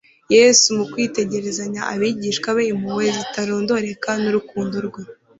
Yesu, mu kwitegerezanya abigishwa be impuhwe zitarondoreka n'urukundo rwe